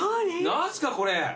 何すかこれ！